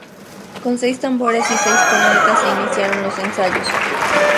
Con seis tambores y seis cornetas se iniciaron los ensayos.